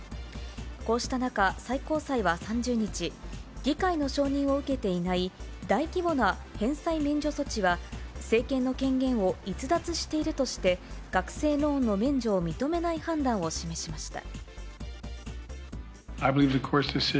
こうした中、最高裁は３０日、議会の承認を受けていない大規模な返済免除措置は、政権の権限を逸脱しているとして、学生ローンの免除を認めない判断を示しました。